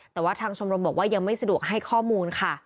แต่ว่าทางชมรมบอกว่ายังไม่สะดวกให้ข้อมูลค่ะ